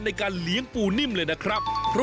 วันนี้พาลงใต้สุดไปดูวิธีของชาวเล่น